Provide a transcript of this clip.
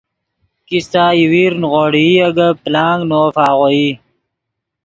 کیستہ یوویر نیغوڑئی اے گے پلانگ نے وف آغوئی